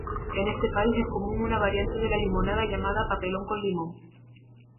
En este país es común una variante de la limonada llamada "papelón con limón".